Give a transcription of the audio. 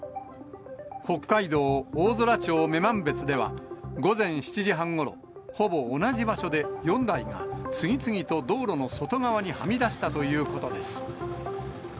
北海道大空町女満別では、午前７時半ごろ、ほぼ同じ場所で４台が次々と道路の外側にはみ出したということです。